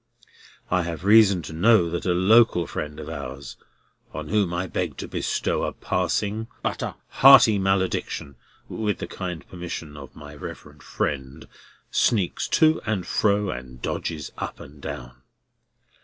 I have reason to know that a local friend of ours (on whom I beg to bestow a passing but a hearty malediction, with the kind permission of my reverend friend) sneaks to and fro, and dodges up and down.